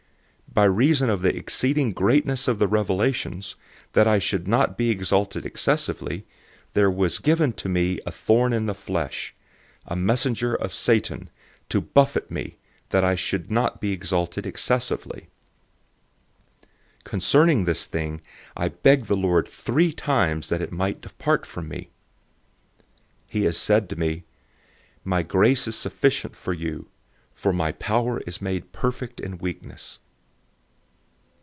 012:007 By reason of the exceeding greatness of the revelations, that I should not be exalted excessively, there was given to me a thorn in the flesh, a messenger of Satan to torment me, that I should not be exalted excessively. 012:008 Concerning this thing, I begged the Lord three times that it might depart from me. 012:009 He has said to me, "My grace is sufficient for you, for my power is made perfect in weakness."